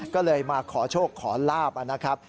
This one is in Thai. ก็เลยมาขอโชคขอลาบนะครับ